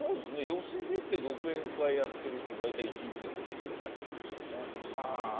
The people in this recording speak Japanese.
寄席出て、独演会やってると大体１日で５席ぐらいになっちゃうんですよね。